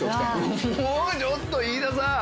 ちょっと飯田さん！